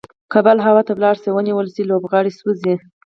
که بال هوا ته ولاړ سي او ونيول سي؛ لوبغاړی سوځي.